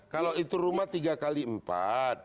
kalau itu rumah tiga x empat